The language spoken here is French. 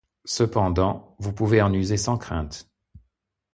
Cependant, vous pouvez en user sans crainte.